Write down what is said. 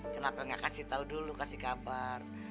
kenapa gak kasih tau dulu kasih kabar